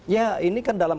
ya ini kan dalam